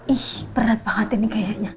ih berat saat ini kayaknya